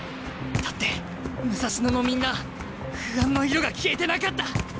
だって武蔵野のみんな不安の色が消えてなかった！